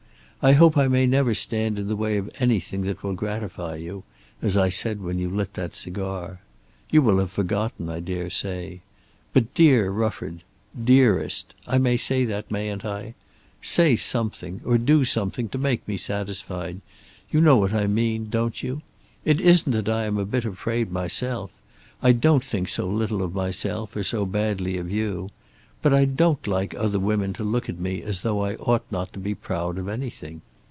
I hope I may never stand in the way of anything that will gratify you, as I said when you lit that cigar. You will have forgotten, I dare say. But, dear Rufford, dearest; I may say that, mayn't I? say something, or do something to make me satisfied. You know what I mean; don't you? It isn't that I am a bit afraid myself. I don't think so little of myself, or so badly of you. But I don't like other women to look at me as though I ought not to be proud of anything.